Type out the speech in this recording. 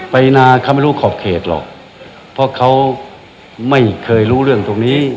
ไปนานเขาไม่รู้ขอบเขตหรอกเพราะเขาไม่เคยรู้เรื่องตรงนี้